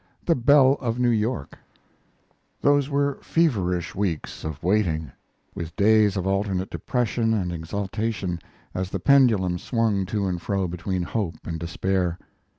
"THE BELLE OF NEW YORK" Those were feverish weeks of waiting, with days of alternate depression and exaltation as the pendulum swung to and fro between hope and despair.